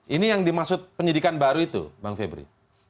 ini yang dimaksud penyidikan baru itu bang febri